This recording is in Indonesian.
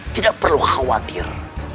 tidak perlu khawatir